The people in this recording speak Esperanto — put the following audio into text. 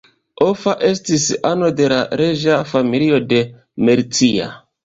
Offa estis ano de la reĝa familio de Mercia.